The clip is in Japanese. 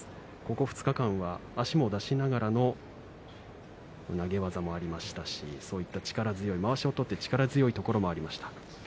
ここ２日間は足も出しながらの投げ技もありましたしそういった力強いまわしを取っての力強いところもありました。